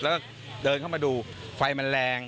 แล้วก็เดินเข้ามาดูไฟมันแรง